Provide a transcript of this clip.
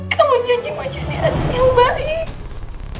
kamu janji mau jadi adik yang baik